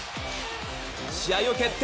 試合を決定